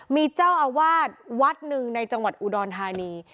มีเจ้าอาวาสวัดหนึ่งในจังหวัดอุดรธานี